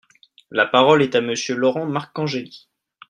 La parole est à Monsieur Laurent Marcangeli.